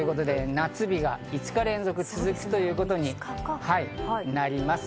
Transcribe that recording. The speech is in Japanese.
夏日が５日連続、続くということになります。